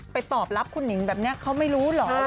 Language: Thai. ตอบรับคุณหนิงแบบนี้เขาไม่รู้เหรอ